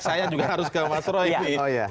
saya juga harus ke mas roy